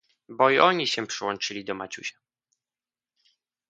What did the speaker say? "Bo i oni się przyłączyli do Maciusia."